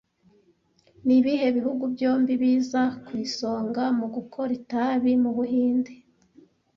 Nibihe bihugu byombi biza ku isonga mu gukora itabi mu Buhinde